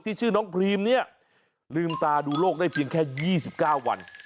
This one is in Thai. ชื่อน้องพรีมเนี่ยลืมตาดูโลกได้เพียงแค่๒๙วัน